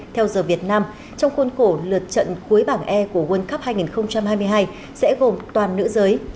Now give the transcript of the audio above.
theo giờ việt nam trong khuôn khổ lượt trận cuối bảng e của world cup hai nghìn hai mươi hai sẽ gồm toàn nữ giới